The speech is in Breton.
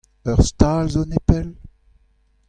Ur stal zo nepell ?